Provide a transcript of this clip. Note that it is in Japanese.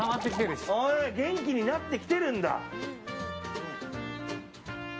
元気になってきてるんだ。